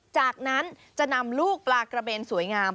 จากนั้นจะนำลูกปลากระเบนสวยงาม